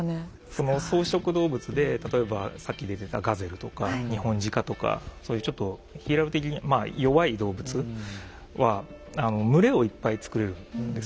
その草食動物で例えばさっき出てたガゼルとかニホンジカとかそういうちょっとヒエラルキー的にまあ弱い動物は群れをいっぱい作れるんですよね。